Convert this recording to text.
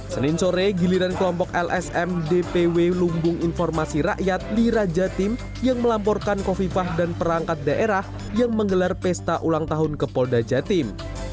senin sore giliran kelompok lsm dpw lumbung informasi rakyat lira jatim yang melamporkan kofifah dan perangkat daerah yang menggelar pesta ulang tahun ke polda jatim